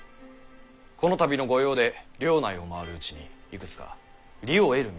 この度の御用で領内を回るうちにいくつか利を得る道を見つけました。